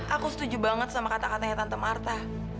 aku setuju banget sama kata katanya tante marta